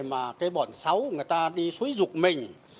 mà cái bọn xấu người ta đi xuý dục mình